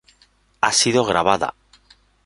Ha sido grabada.